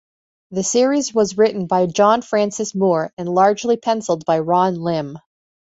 The series was written by John Francis Moore and largely pencilled by Ron Lim.